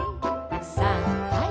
さんはい。